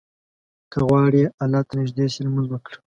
که غواړې الله ته نيږدى سې، لمونځ وکړه.